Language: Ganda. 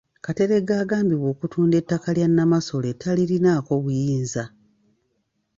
Kateregga agambibwa okutunda ettaka lya Nnamasole talirinaako buyinza.